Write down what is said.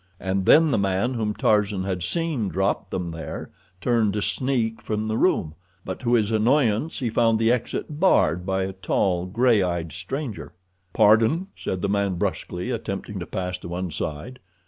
And then the man whom Tarzan had seen drop them there turned to sneak from the room, but to his annoyance he found the exit barred by a tall, gray eyed stranger. "Pardon," said the man brusquely, attempting to pass to one side.